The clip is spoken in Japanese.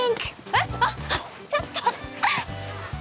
えっあっちょっと！